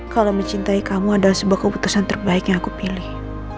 kalau mencintai kamu adalah sebuah keputusan terbaik yang aku pilih